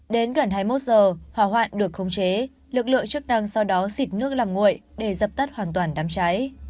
đến gần hai mươi một giờ hỏa hoạn được không chế lực lượng chức năng sau đó xịt nước làm nguội để dập tắt hoàn toàn đám trái